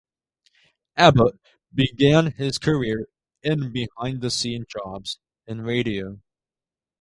Abbott began his career in behind-the-scene jobs in radio.